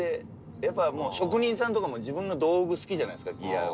やっぱ職人さんとかも自分の道具好きじゃないですか。